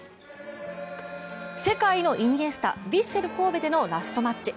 世界のイニエスタヴィッセル神戸でのラストマッチ。